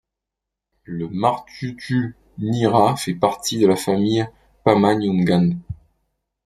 Le martuthunira fait partie de la famille pama-nyungan.